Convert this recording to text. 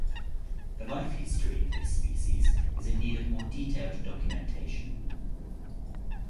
The life history of this species is in need of more detailed documentation.